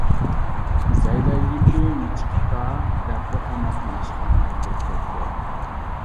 زەيلەي يىپىڭ چىقىپتا دەپلا تاماقنى ئاشخانىغا ئەكىرىپ كەتتى.